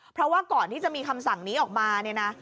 เพราะว่าก่อนที่จะมีคำสั่งนี้ออกมาเนี่ยนะ